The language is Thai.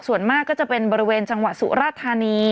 ส่วนมากก็จะเป็นบริเวณจังหวัดสุราธานี